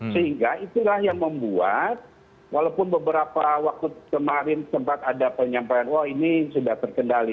sehingga itulah yang membuat walaupun beberapa waktu kemarin sempat ada penyampaian wah ini sudah terkendali